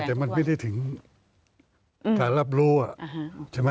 ไม่ใช่แต่มันไม่ได้ถึงฐานรับรู้